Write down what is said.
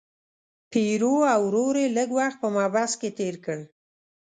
پیرو او ورور یې لږ وخت په محبس کې تیر کړ.